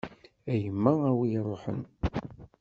A yemma a wi iruḥen.